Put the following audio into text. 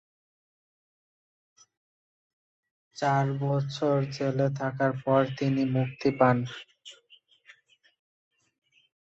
চার বছর জেলে থাকার পর তিনি মুক্তি পান।